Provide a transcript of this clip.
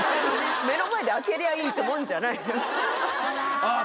目の前で開けりゃあいいってもんじゃないほらああ